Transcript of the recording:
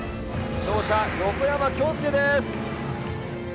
勝者横山恭典です！